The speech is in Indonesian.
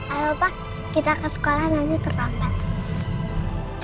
ayo pak kita ke sekolah nanti terlambat